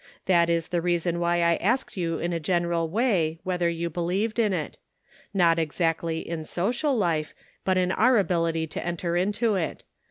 That is the reason why I asked you in a general way, whether you believed in it; not exactly in social life, but in our ability to enter into it.